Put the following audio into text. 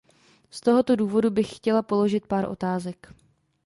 Z tohoto důvodu bych chtěla položit pár otázek.